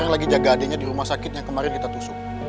yang lagi jaga adiknya di rumah sakit yang kemarin kita tusuk